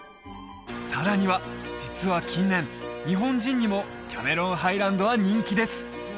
さらには実は近年日本人にもキャメロンハイランドは人気です